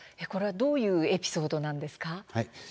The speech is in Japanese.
これはどういうエピソードなんですか？